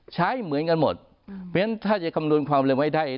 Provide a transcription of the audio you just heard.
ใช้เหมือนกันหมดเพราะฉะนั้นถ้าจะคำนวณความเร็วไว้ได้